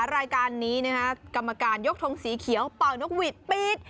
รายการนี้นะฮะกรรมการยกทงสีเขียวเป่านกหวีดปี๊ด